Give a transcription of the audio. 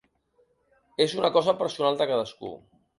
És una cosa personal de cadascú.